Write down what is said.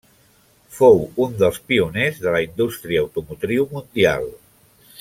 Fou un dels pioners de la indústria automotriu mundial.